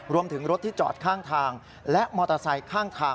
รถที่จอดข้างทางและมอเตอร์ไซค์ข้างทาง